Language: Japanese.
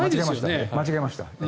間違えました。